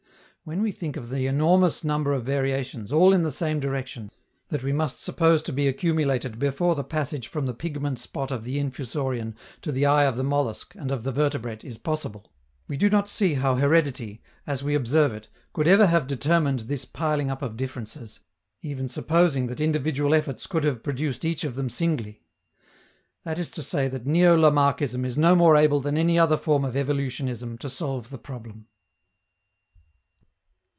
When we think of the enormous number of variations, all in the same direction, that we must suppose to be accumulated before the passage from the pigment spot of the Infusorian to the eye of the mollusc and of the vertebrate is possible, we do not see how heredity, as we observe it, could ever have determined this piling up of differences, even supposing that individual efforts could have produced each of them singly. That is to say that neo Lamarckism is no more able than any other form of evolutionism to solve the problem.